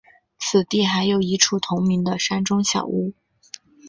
此地还有一处同名的山中小屋。